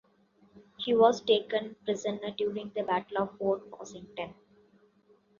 He was taken prisoner during the Battle of Fort Washington.